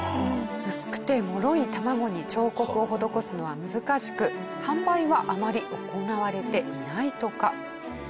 薄くてもろい卵に彫刻を施すのは難しく販売はあまり行われていないとか。